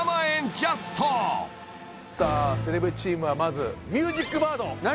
ジャストさあセレブチームはまずミュージックバード何